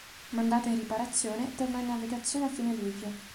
Mandata in riparazione, tornò in navigazione a fine luglio.